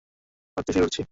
ভাবতেই শিউরে উঠছি।